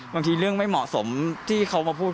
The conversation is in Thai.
บางทีเรื่องไม่เหมาะสมที่เขามาพูด